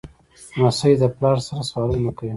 لمسی د پلار سره سوالونه کوي.